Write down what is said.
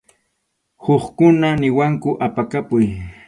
Hukkuna niwanku apakapuy.